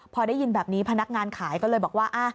พอได้ยินแบบนี้พนักงานขายก็เลยบอกว่า